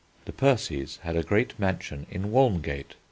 The Percies had a great mansion in Walmgate.